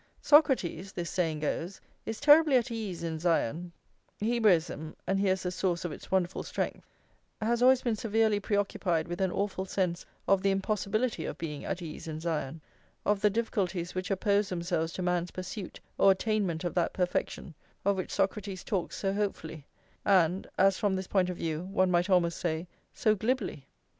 "Socrates," this saying goes, "is terribly at ease in Zion" Hebraism, and here is the source of its wonderful strength, has always been severely preoccupied with an awful sense of the impossibility of being at ease in Zion; of the difficulties which oppose themselves to man's pursuit or attainment of that perfection of which Socrates talks so hopefully, and, as from this point of view one might almost say, so glibly.